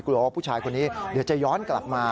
ว่าผู้ชายคนนี้เดี๋ยวจะย้อนกลับมา